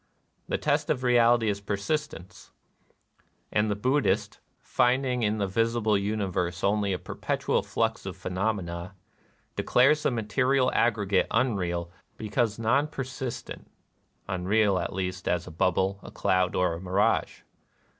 The test of reality is persistence ; and the Buddhist, finding in the visible universe only a perpetual flux of phenomena, declares the material aggregate unreal because non persist ent, — unreal, at least, as a bubble, a cloud, or a mirage.